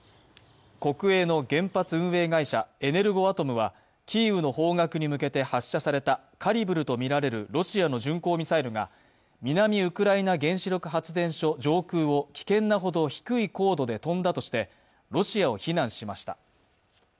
国営の原発運営会社エネルゴアトムはキーウの方角に向けて発射されたカリブルとみられるロシアの巡航ミサイルが南ウクライナ原子力発電所上空を危険なほど低い高度で飛んだとしてロシアを非難しました。